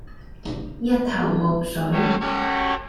一頭霧水